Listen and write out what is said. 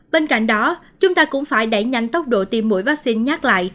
bên cạnh đó chúng ta cũng phải đẩy nhanh tốc độ tiêm mũi vaccine nhắc lại